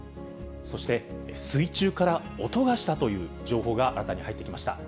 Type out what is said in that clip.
そして水中から音がしたという情報が新たに入ってきました。